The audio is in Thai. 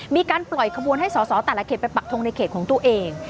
มีการปล่อยขบวนให้สอสอแต่ละเขตไปปักทงในเขตของตัวเอง